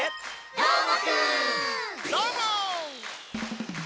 どーも！